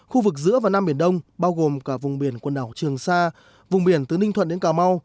khu vực giữa và nam biển đông bao gồm cả vùng biển quần đảo trường sa vùng biển từ ninh thuận đến cà mau